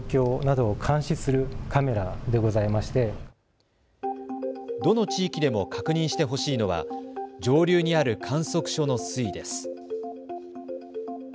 どの地域でも確認してほしいのは上流にある観測所の水位です。